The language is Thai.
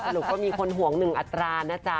ลูกก็มีคนห่วงหนึ่งอัตรานะจ๊ะ